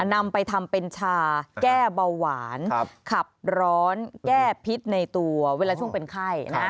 นำไปทำเป็นชาแก้เบาหวานขับร้อนแก้พิษในตัวเวลาช่วงเป็นไข้นะ